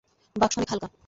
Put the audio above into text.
বাক্স অনেক হালকা।